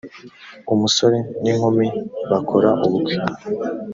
umusore n ‘inkumi bakora ubukwe.